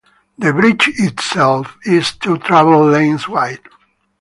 The bridge itself is two travel lanes wide.